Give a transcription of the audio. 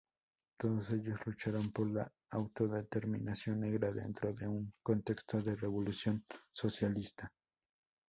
Todos ellos lucharon por la autodeterminación negra dentro de un contexto de revolución socialista.